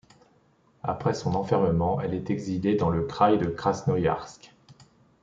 Après son enfermement elle est exilée dans le Kraï de Krasnoïarsk.